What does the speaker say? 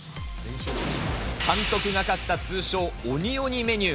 監督が課した通称鬼鬼メニュー。